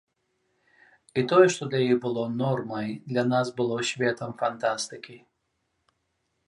І тое, што для іх было нормай, для нас было светам фантастыкі.